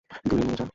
দূরে নিয়ে যা।